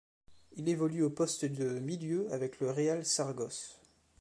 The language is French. Il évolue au poste de milieu avec le Real Saragosse.